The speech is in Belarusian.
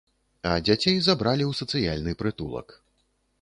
А дзяцей забралі ў сацыяльны прытулак.